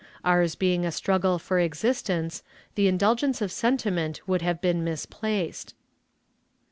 Ours being a struggle for existence, the indulgence of sentiment would have been misplaced.